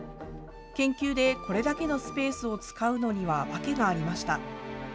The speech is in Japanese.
研究でこれだけのスペースを使うのには、訳がありました。